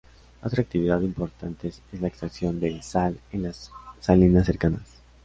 Otra actividad importantes es la extracción de sal en las salinas cercanas.